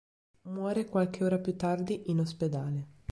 Muore qualche ora più tardi in ospedale.